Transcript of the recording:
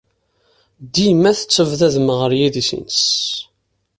Dima tettabdadem ɣer yidis-nnes!